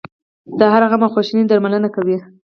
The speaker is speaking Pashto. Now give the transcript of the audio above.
د هر غم او خواشینۍ درملنه کوي.